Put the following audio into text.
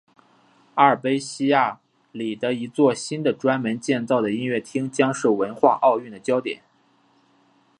阿尔卑西亚里的一座新的专门建造的音乐厅将是文化奥运的焦点。